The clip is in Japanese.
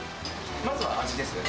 まずは味ですね。